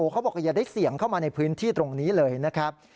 เขาบอกอย่าได้เสี่ยงเข้ามาในพื้นที่ตรงนี้เลยนะครับ